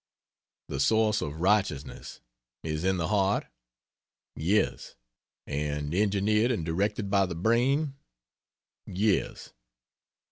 The source of "righteousness" is in the heart? Yes. And engineered and directed by the brain? Yes.